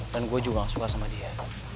dan gue juga gak suka sama dia